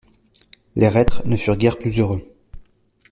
Les reîtres ne furent guère plus heureux.